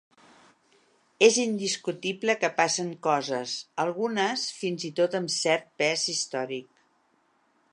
És indiscutible que passen coses, algunes fins i tot amb cert pes històric.